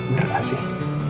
bener gak sih